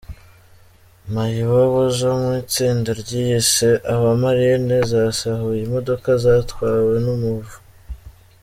Mayibobo zo mu itsinda ryiyise “Abamarine” zasahuye imodoka zatwawe n’umuvu